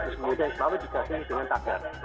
jadi mereka selalu dikasih dengan tagar